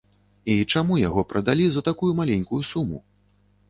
І чаму яго прадалі за такую маленькую суму?